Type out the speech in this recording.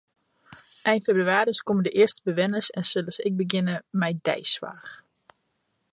Ein febrewaris komme de earste bewenners en sille se ek begjinne mei deisoarch.